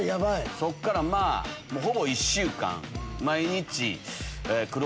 そっからまぁほぼ１週間。